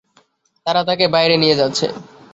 তারা তাকে বাইরে নিয়ে যাচ্ছে।